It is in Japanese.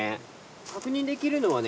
確認できるのはね